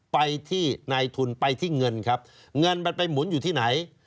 ไปที่นายทุนไปที่เงินครับเงินมันไปหมุนอยู่ที่ไหน